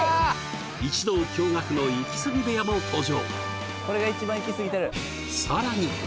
一同驚愕のイキスギ部屋も登場